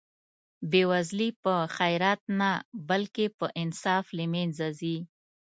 بې وزلي په خیرات نه بلکې په انصاف له منځه ځي.